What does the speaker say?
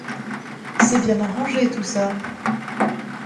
C’est bien arrangé, tout ça…